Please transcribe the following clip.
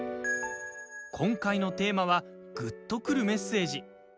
今回のテーマは「グッとくるメッセージ」。